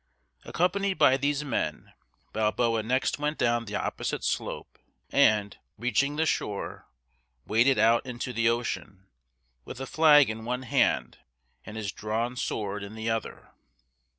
Accompanied by these men, Balboa next went down the opposite slope, and, reaching the shore, waded out into the ocean, with a flag in one hand and his drawn sword in the other.